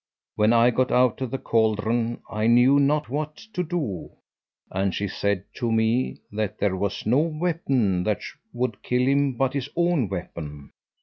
When I got out of the caldron I knew not what to do; and she said to me that there was no weapon that would kill him but his own weapon.